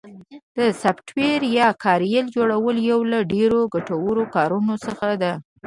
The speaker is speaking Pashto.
د سافټویر یا کاریال جوړل یو له ډېرو ګټورو کارونو څخه ده